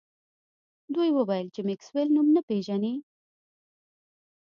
دوی وویل چې میکسویل نوم نه پیژني